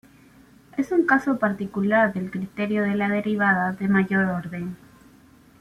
Es un caso particular del Criterio de la derivada de mayor orden.